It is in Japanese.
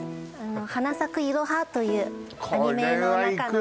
「花咲くいろは」というアニメの中の駅です